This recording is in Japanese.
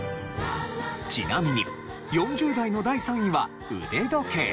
ちなみに４０代の第３位は腕時計。